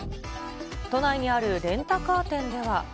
都内にあるレンタカー店では。